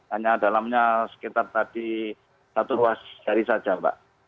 hanya dalamnya sekitar tadi satu ruas jari saja mbak